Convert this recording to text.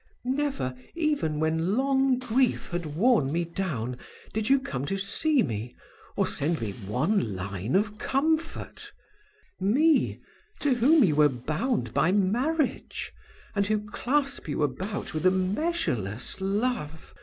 Never, even when long grief had worn me down, did you come to see me, or send me one line of comfort, me, to whom you were bound by marriage, and who clasp you about with a measureless love!